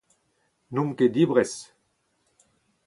N'omp ket dibres.